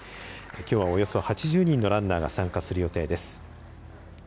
きょうは、およそ８０人のランナーが参加する予定です。